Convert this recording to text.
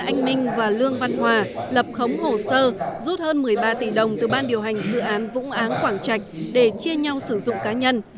anh minh và lương văn hòa lập khống hồ sơ rút hơn một mươi ba tỷ đồng từ ban điều hành dự án vũng áng quảng trạch để chia nhau sử dụng cá nhân